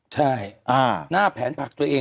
ใช่หน้าแผนผักตัวเอง